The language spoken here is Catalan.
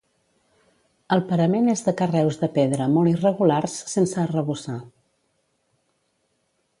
El parament és de carreus de pedra molt irregulars sense arrebossar.